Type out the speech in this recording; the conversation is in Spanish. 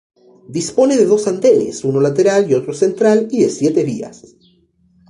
Dispone de dos andenes uno lateral y otro central y de siete vías.